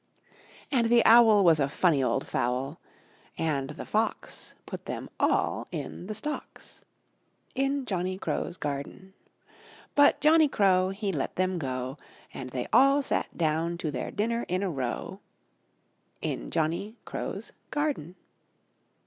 And the Owl Was a funny old Fowl And the Fox Put them all in the Stocks In Johnny Crow's Garden. But Johnny Crow He let them go And they all sat down to their dinner in a row In Johnny Crow's Garden.